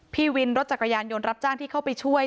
พี่วินรถจักรยานยนต์รับจ้างที่เข้าไปช่วย